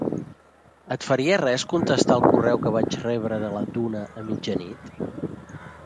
Et faria res contestar el correu que vaig rebre de la Duna a mitjanit?